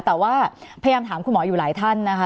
แต่ว่าพยายามถามคุณหมออยู่หลายท่านนะคะ